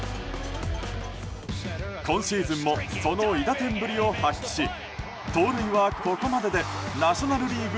今シーズンもその韋駄天ぶりを発揮し盗塁は、ここまででナショナル・リーグ